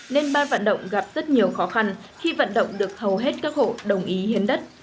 nên ban vận động gặp rất nhiều khó khăn khi vận động được hầu hết các hộ đồng ý hiến đất